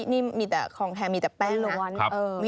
มีแต่แป้ง